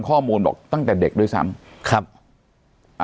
ข้อมูลบอกตั้งแต่เด็กด้วยซ้ำครับ